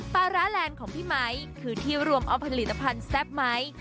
ปลาร้าแลนด์ของพี่ไมค์คือที่รวมเอาผลิตภัณฑ์แซ่บไหม